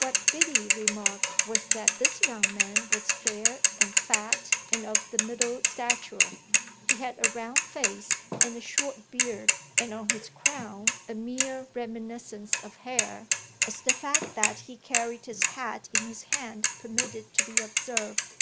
What Biddy remarked was that this young man was fair and fat and of the middle stature; he had a round face and a short beard and on his crown a mere reminiscence of hair, as the fact that he carried his hat in his hand permitted to be observed.